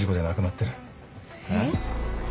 えっ？